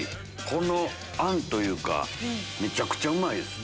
このあんというかめちゃくちゃうまいです。